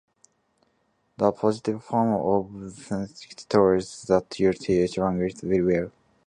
The positive form of the sentence states that you teach language very well.